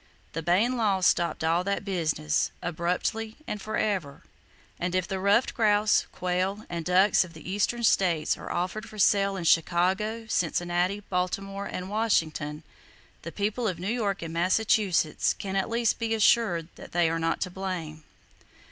The Bayne law stopped all that business, abruptly and forever; and if the ruffed grouse, quail and ducks of the Eastern States are offered for sale in Chicago, Cincinnati, Baltimore and Washington, the people of New York and Massachusetts can at least be assured that they are not to blame.